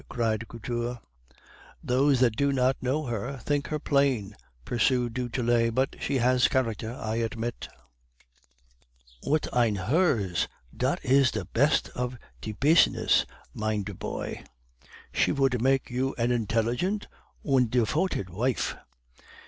cried Couture. "'Those that do not know her may think her plain,' pursued du Tillet, 'but she has character, I admit.' "'Und ein herz, dot is the pest of die pizness, mein der poy; she vould make you an indelligent und defoted vife.